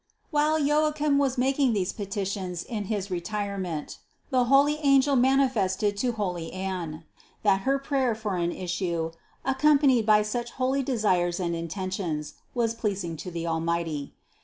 176. While Joachim was making these petitions in his retirement, the holy angel manifested to holy Anne, that her prayer for an issue, accompanied by such holy de sires and intentions, was pleasing to the Almighty.